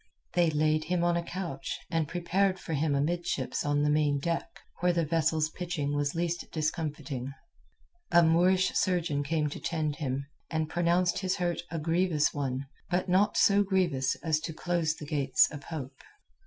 They laid him on a couch prepared for him amidships on the main deck, where the vessel's pitching was least discomfiting. A Moorish surgeon came to tend him, and pronounced his hurt a grievous one, but not so grievous as to close the gates of hope.